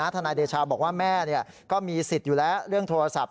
ทนายเดชาบอกว่าแม่ก็มีสิทธิ์อยู่แล้วเรื่องโทรศัพท์